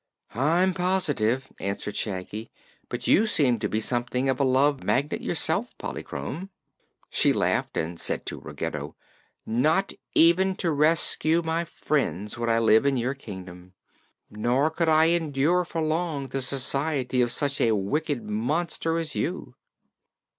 "I'm positive," answered Shaggy. "But you seem to be something of a Love Magnet yourself, Polychrome." She laughed again and said to Ruggedo: "Not even to rescue my friends would I live in your kingdom. Nor could I endure for long the society of such a wicked monster as you."